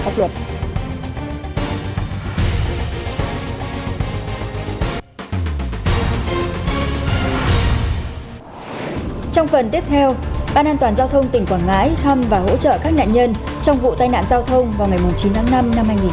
trong phần tiếp theo ban an toàn giao thông tỉnh quảng ngãi thăm và hỗ trợ các nạn nhân trong vụ tai nạn giao thông vào ngày chín tháng năm năm hai nghìn hai mươi bốn